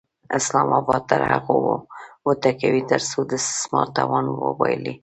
اسلام اباد تر هغو وټکوئ ترڅو د استثمار توان وبایلي.